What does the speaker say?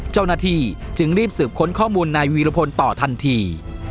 เจ้าหน้าที่จึงรีบสืบค้นข้อมูลนายวีรพลต่อทันที